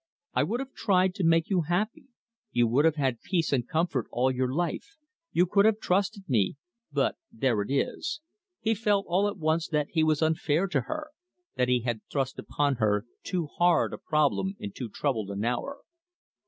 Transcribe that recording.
I would have tried to make you happy; you would have had peace and comfort all your life; you could have trusted me but there it is...." He felt all at once that he was unfair to her, that he had thrust upon her too hard a problem in too troubled an hour.